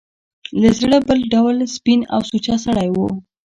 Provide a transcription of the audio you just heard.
له زړه بل ډول سپین او سوچه سړی و.